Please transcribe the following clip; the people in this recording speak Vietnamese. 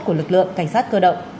của lực lượng cảnh sát cơ động